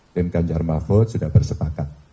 tim ganjar mahfud sudah bersepakat